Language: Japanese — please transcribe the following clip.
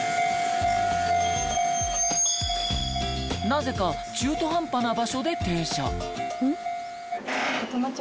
なぜか中途半端な場所で停車。